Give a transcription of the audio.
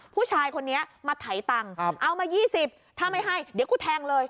ผู้ชายคนนี้มาไถตังค์เอามา๒๐ถ้าไม่ให้เดี๋ยวกูแทงเลย